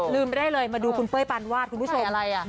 ได้เลยมาดูคุณเป้ยปานวาดคุณผู้ชม